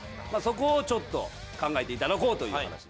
そこをちょっと考えていただこうという形。